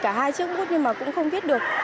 cả hai chiếc bút nhưng mà cũng không viết được